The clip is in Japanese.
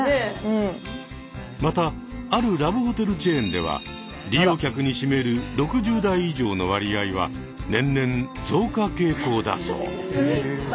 またあるラブホテルチェーンでは利用客に占める６０代以上の割合は年々増加傾向だそう。